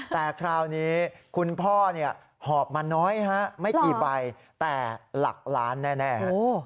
แต่คราวนี้คุณพ่อหอบมาน้อยฮะไม่กี่ใบแต่หลักล้านแน่